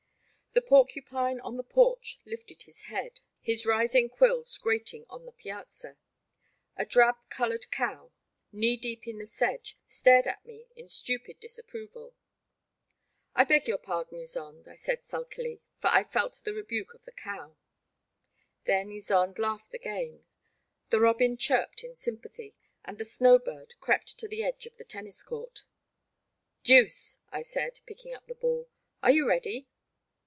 The porcupine on the porch lifted his head, his rising quills grating on the piazza; a drab coloured cow, knee deep in the sedge, stared at me in stupid disapproval. I beg your pardon, Ysonde," I said, sulkily, for I felt the rebuke of the cow. Then Ysonde 9 129 1 30 The Black Water. laughed again ; the robin chirped in sympathy, and the snow bird crept to the edge of the tennis court. '* Deuce/' I said, picking up a ball, are you ready